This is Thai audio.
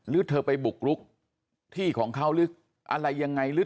เธอไปบุกรุกที่ของเขาหรืออะไรยังไงหรือ